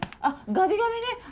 あっガビガビね。